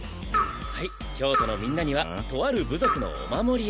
はい京都のみんなにはとある部族のお守りを。